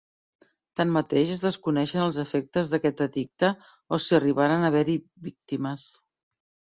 Tanmateix es desconeixen els efectes d'aquest edicte o si arribaren a haver-hi víctimes.